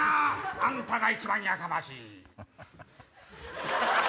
あんたが一番やかましい。